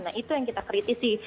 nah itu yang kita kritisi